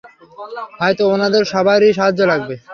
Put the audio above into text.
হয়তো ওনাদের সবারই সাহায্য লাগবে।